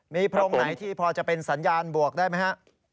มีโพรงไหนที่พอจะเป็นสัญญาณบวกได้ไหมฮะ